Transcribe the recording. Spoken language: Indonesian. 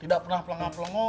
tidak pernah pelangga pelongo